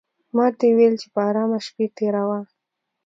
ماته یې وویل چې په آرامه شپې تېروه.